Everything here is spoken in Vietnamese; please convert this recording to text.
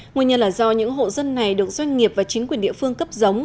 nguyên nhân là do những hộ dân này được doanh nghiệp và chính quyền địa phương cấp giống